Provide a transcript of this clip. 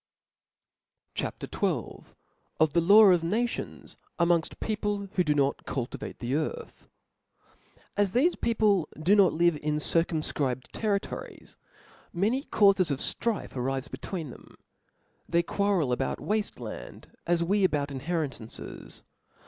CHAP. XIL Of the Laijp of Nations among Jl People who d$ not cultivate the Earth. AS thefe people do not live in circumfcribed territories, many caufes of ftrife arife between them ; they quarrel about wafte land, as we about inheritances.